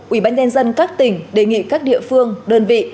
ubnd dân các tỉnh đề nghị các địa phương đơn vị